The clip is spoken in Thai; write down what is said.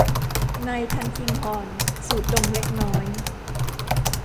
นายทัลคิงฮอร์นสูดดมเล็กน้อย